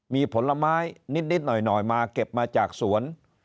มีผลไม้นิดหน่อยมาเก็บมาจากสวน